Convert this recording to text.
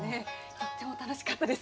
とっても楽しかったです。